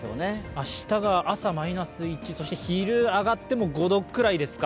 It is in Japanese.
明日が朝、マイナス１、昼上がっても５度くらいですか。